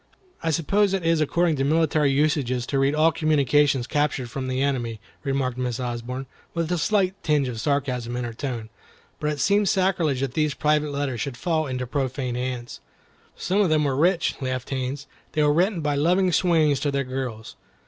"I suppose it is according to military usages to read all communications captured from the enemy," remarked Miss Osborne with a slight tinge of sarcasm in her tone, "but it seems sacrilege that these private letters should fall into profane hands." "Some of them were rich," laughed Haines; "they were written by loving swains to their girls.